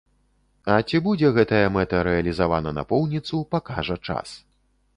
А ці будзе гэтая мэта рэалізавана напоўніцу, пакажа час.